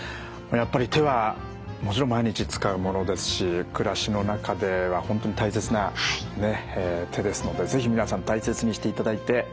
やっぱり手はもちろん毎日使うものですし暮らしの中では本当に大切なねっ手ですので是非皆さん大切にしていただいて。